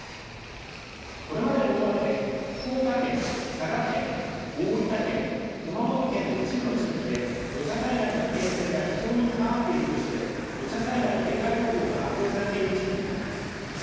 これまでの大雨で福岡県、佐賀県大分県、熊本県の一部の地域で土砂災害の危険性が非常に高まっているとして土砂災害警戒情報が発表されている地域があります。